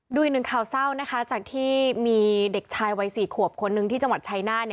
ดูอีกหนึ่งข่าวเศร้านะคะจากที่มีเด็กชายวัย๔ขวบคนนึงที่จังหวัดชายนาฏ